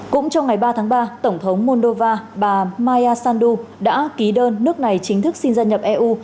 cũng trong ngày ba tháng ba tổng thống moldova bà miyasa sandu đã ký đơn nước này chính thức xin gia nhập eu